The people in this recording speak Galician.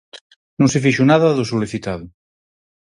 Non se fixo nada do solicitado.